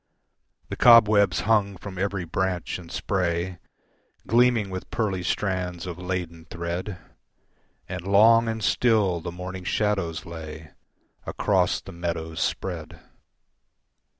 The cobwebs hung from every branch and spray Gleaming with pearly strands of laden thread, And long and still the morning shadows lay Across the meadows spread.